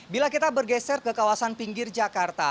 bila kita bergeser ke kawasan pinggir jakarta